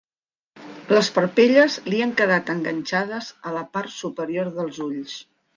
Les parpelles li han quedat enganxades a la part superior dels ulls.